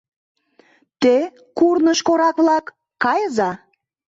Те, курныж корак-влак, кайыза!